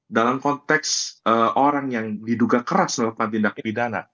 dalam konteks orang yang diduga keras melakukan tindak pidana